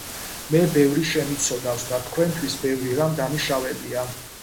მე ბევრი შემიცოდავს და თქვენთვის ბევრი რამ დამიშავებია.